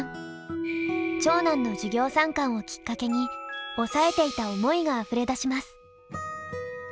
長男の授業参観をきっかけに抑えていた思いがあふれ出します。